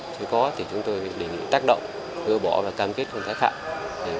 chứ có thì chúng tôi định tác động gỡ bỏ và cam kết không giá khẳng